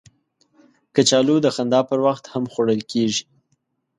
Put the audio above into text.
کچالو د خندا پر وخت هم خوړل کېږي